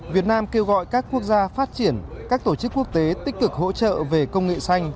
việt nam kêu gọi các quốc gia phát triển các tổ chức quốc tế tích cực hỗ trợ về công nghệ xanh